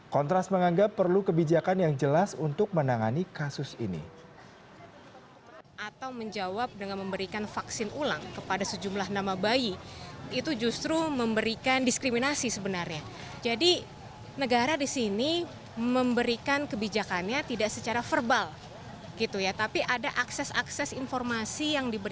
kontras menganggap perlu kebijakan yang jelas untuk menangani kasus ini